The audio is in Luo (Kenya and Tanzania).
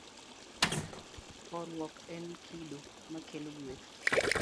Horuok en kido makelo gweth.